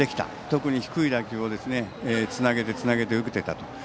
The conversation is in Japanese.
特に低い打球をつなげてつなげて打てた。